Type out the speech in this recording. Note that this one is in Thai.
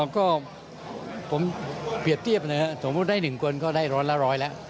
ก็ผมเปรียบเทียบนะครับสมมุติได้๑คนก็ได้ร้อยละร้อยแล้ว